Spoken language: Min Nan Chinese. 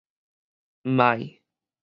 毋愛